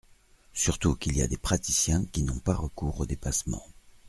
Surtout qu’il y a des praticiens qui n’ont pas recours aux dépassements.